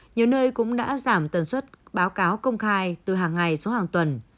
nhiều nơi cũng đã giảm tần suất báo cáo công khai từ hàng ngày số hàng tuần